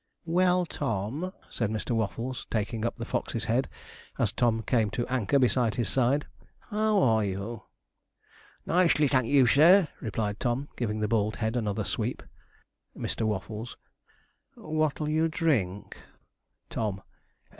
'Well, Tom,' said Mr. Waffles, taking up the Fox's head, as Tom came to anchor by his side, 'how are you?' 'Nicely, thank you, sir,' replied Tom, giving the bald head another sweep. Mr. Waffles. 'What'll you drink?' Tom.